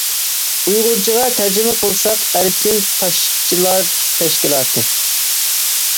ئۇيغۇرچىغا تەرجىمە قىلساق ئەركىن تاشچىلار تەشكىلاتى.